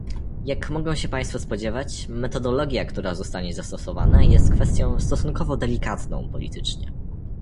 Jak mogą się państwo spodziewać, metodologia, która zostanie zastosowana, jest kwestią stosunkowo delikatną politycznie